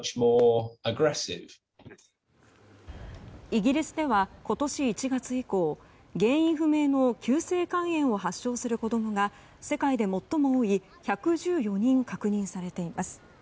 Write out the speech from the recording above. イギリスでは今年１月以降原因不明の急性肝炎を発症する子供が世界で最も多い１１４人確認されています。